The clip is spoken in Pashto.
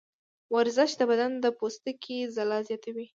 ورزش د بدن د پوستکي ځلا زیاتوي.